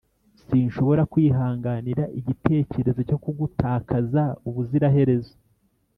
sinshobora kwihanganira igitekerezo cyo kugutakaza ubuziraherezo.